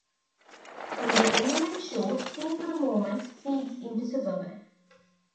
On "The Eminem Show", "Sing for the Moment" segues into "Superman".